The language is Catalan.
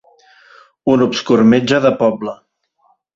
Un obscur metge de poble.